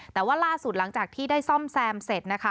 แต่ว่าล่าสุดหลังจากที่ได้ซ่อมแซมเสร็จนะคะ